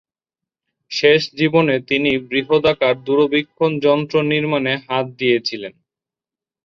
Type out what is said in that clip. শেষ জীবনে তিনি বৃহদাকার দূরবীক্ষণ যন্ত্র নির্মাণে হাত দিয়েছিলেন।